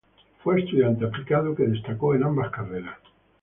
Fue un estudiante aplicado que destacó en ambas carreras.